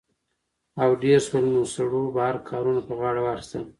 او ډېر شول؛ نو سړو بهر کارونه په غاړه واخىستل